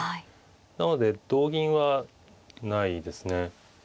なので同銀はないですね。